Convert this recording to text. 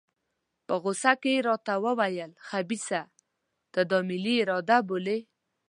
په غوسه کې یې راته وویل خبیثه ته دا ملي اراده بولې.